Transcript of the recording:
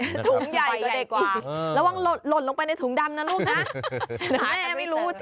ถุงใหญ่กว่าระวังหล่นลงไปในถุงดำนะลูกนะ